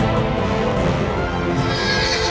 assalamualaikum warahmatullahi wabarakatuh